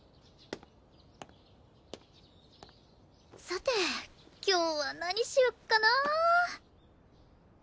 さて今日は何しよっかな。